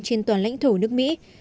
trên toàn lãnh thổ nước mỹ